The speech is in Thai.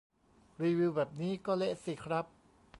รีวิวแบบนี้ก็เละสิครับ